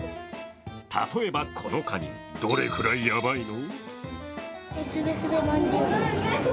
例えばこのカニ、どれくらいやばいの？